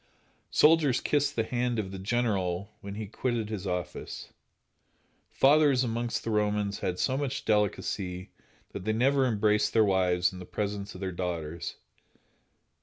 Soldiers kissed the hand of the general when he quitted his office. Fathers amongst the Romans had so much delicacy that they never embraced their wives in the presence of their daughters.